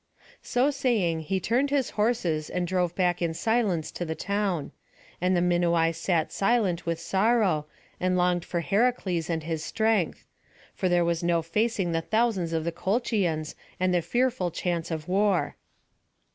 So saying, he turned his horses and drove back in silence to the town. And the Minuai sat silent with sorrow, and longed for Heracles and his strength; for there was no facing the thousands of the Colchians, and the fearful chance of war.